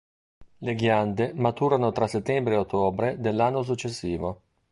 Le ghiande maturano tra settembre e ottobre dell'anno successivo.